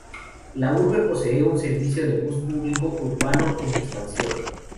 La urbe posee un servicio de bus público urbano en expansión.